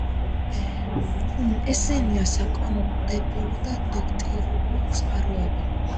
ესენია: საკანონმდებლო და დოქტრინალური წყაროები.